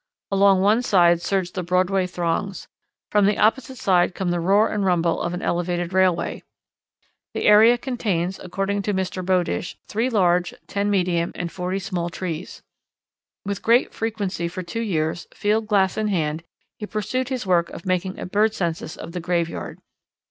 Along one side surge the Broadway throngs. From the opposite side come the roar and rumble of an elevated railway. The area contains, according to Mr. Bowdish, three large, ten medium, and forty small trees. With great frequency for two years, field glass in hand, he pursued his work of making a bird census of the graveyard.